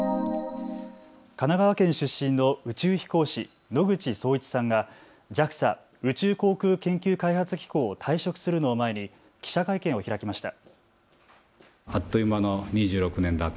神奈川県出身の宇宙飛行士、野口聡一さんがＪＡＸＡ・宇宙航空研究開発機構を退職するのを前に記者会見を開きました。